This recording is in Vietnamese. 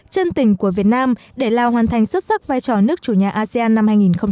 chân tình của việt nam để lào hoàn thành xuất sắc vai trò nước chủ nhà asean năm hai nghìn hai mươi